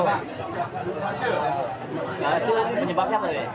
itu menyebabkan apa ya